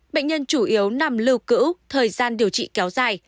bệnh nhân chủ yếu nằm lưu cữu thời gian điều trị kéo dài